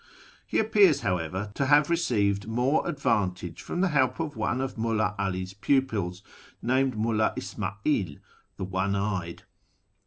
He appears, however, to have received more advantage from the help of one of Mullti 'All's pupils, named IMulhi Isma'il, " the One eyed."